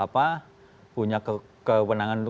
punya kewenangan untuk